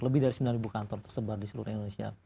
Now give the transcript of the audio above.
lebih dari sembilan kantor tersebar di seluruh indonesia